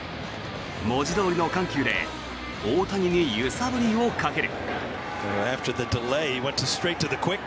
文字どおりの緩急で大谷に揺さぶりをかける。